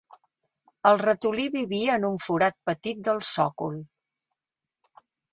El ratolí vivia en un forat petit del sòcol